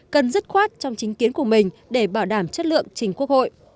cần dứt khoát trong chính kiến của mình để bảo đảm chất lượng trình quốc hội